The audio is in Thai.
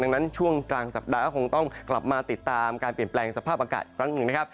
ดังนั้นช่วงกลางสัปดาห์ก็คงต้องกลับมาติดตามการเปลี่ยนแปลงสภาพอากาศอีกครั้งหนึ่งนะครับ